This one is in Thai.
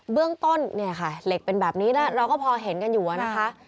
เรื่องต้นเนี่ยค่ะเหล็กเป็นแบบนี้แล้วเราก็พอเห็นกันอยู่นะคะ